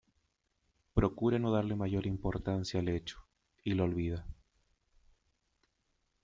Procura no darle mayor importancia al hecho, y lo olvida.